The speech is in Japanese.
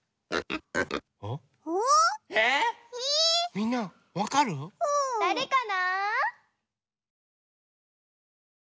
みんなわかる？だれかな？